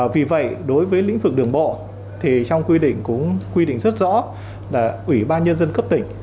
vì vậy đối với lĩnh vực đường bộ thì trong quy định cũng quy định rất rõ là ủy ban nhân dân cấp tỉnh